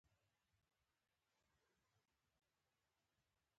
ماته نه منل د قوي ارادې ښکارندوی کوي